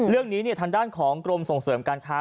เรื่องนี้ทางด้านของกรมส่งเสริมการค้า